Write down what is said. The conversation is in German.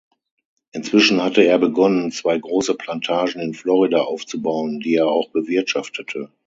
Inzwischen hatte er begonnen, zwei große Plantagen in Florida aufzubauen, die er auch bewirtschaftete.